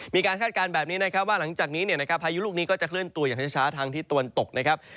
มีการคาดการณ์แบบนี้นะครับว่าหลังจากนี้ภายุลูกนี้ก็จะเคลื่อนตัวอย่างช้าทางที่ต้นตกนะครับ